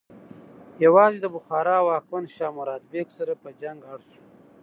یوازې د بخارا د واکمن شاه مراد بیک سره په جنګ اړ شو.